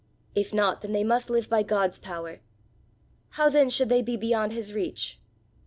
If not, then they must live by God's power. How then should they be beyond his reach?